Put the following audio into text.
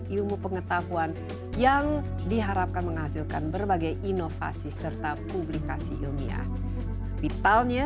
ilmu pengetahuan yang diharapkan menghasilkan berbagai inovasi serta publikasi ilmiah vitalnya